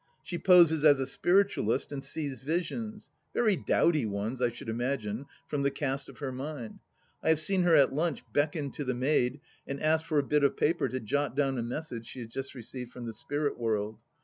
She poses as a spiritualist, and sees visions : very dowdy ones, I should imagine, from the cast of her mind. I have seen her at lunch beckon to the maid and ask for a bit of paper to jot down a message she has just received from the Spirit World.